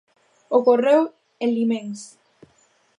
Ocorreu en Liméns.